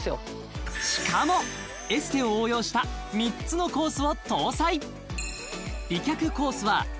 しかもエステを応用した３つのコースを搭載